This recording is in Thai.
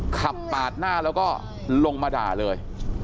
ขับปาดหน้าแล้วก็ลงมาด่าเลย